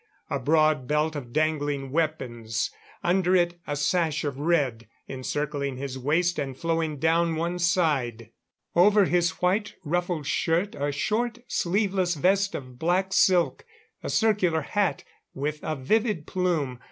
A broad belt of dangling weapons; under it, a sash of red, encircling his waist and flowing down one side. Over his white ruffled shirt, a short sleeveless vest of black silk. A circular hat, with a vivid plume.